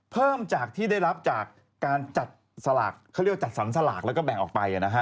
เพิ่มจากที่ได้รับจากการจัดสลากเขาเรียกว่าจัดสรรสลากแล้วก็แบ่งออกไป